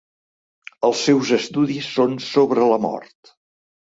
Els seus estudis són sobre la mort.